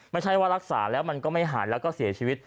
ไม่ใช่ว่ารักษาแล้วมันก็ไม่หายแล้วก็เสียชีวิต